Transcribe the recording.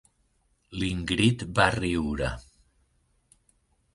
L'Ingrid va riure.